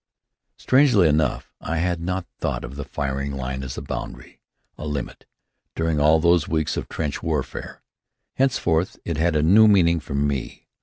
Strangely enough, I had not thought of the firing line as a boundary, a limit, during all those weeks of trench warfare. Henceforth it had a new meaning for me.